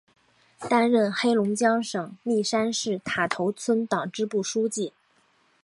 担任黑龙江省密山市塔头村党支部书记。